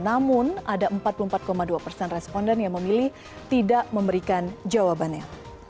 namun ada empat puluh empat dua persen responden yang memilih tidak memberikan jawabannya